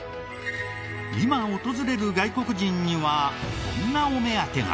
今訪れる外国人にはこんなお目当てが。